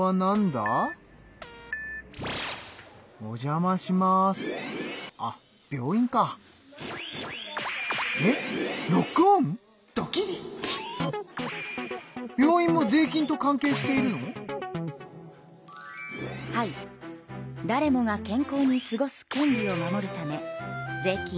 だれもが健康に過ごす権利を守るため税金